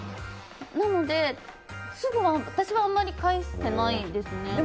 なので、私はあんまり返していないですね。